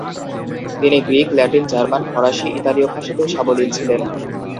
তিনি Greek, Latin, German, ফরাসি, ইতালীয় ভাষাতেও সাবলীল ছিলেন।